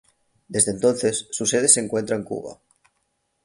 Desde entonces, su sede se encuentra en Cuba.